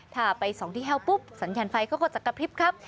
ถ้าไป๒ที่แห้วปุ๊บสัญญาณไฟก็กดจัดกระพริบครับ